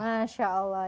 betul masya allah